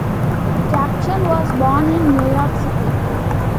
Jackson was born in New York City.